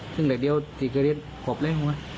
ซึ่งเดี๋ยวที่กระเด็นครบอะไรหรือเปล่า